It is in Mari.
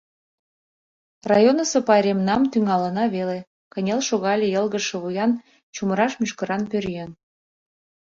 — Районысо пайремнам тӱҥалына веле, — кынел шогале йылгыжше вуян, чумыраш мӱшкыран пӧръеҥ.